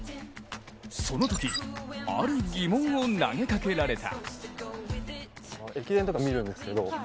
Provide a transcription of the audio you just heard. そのとき、ある疑問を投げかけられた。